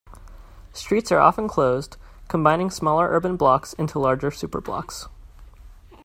Streets are often closed, combining smaller urban blocks into larger superblocks.